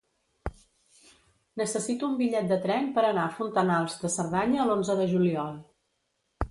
Necessito un bitllet de tren per anar a Fontanals de Cerdanya l'onze de juliol.